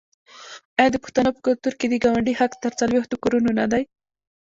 آیا د پښتنو په کلتور کې د ګاونډي حق تر څلوېښتو کورونو نه دی؟